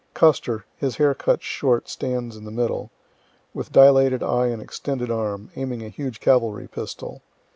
Custer (his hair cut short stands in the middle), with dilated eye and extended arm, aiming a huge cavalry pistol.